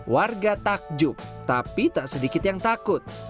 warga takjub tapi tak sedikit yang takut